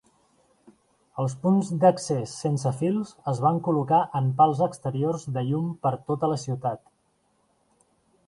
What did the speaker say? Els punts d'accés sense fils es van col·locar en pals exteriors de llum per tota la ciutat.